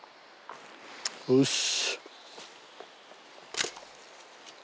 よし。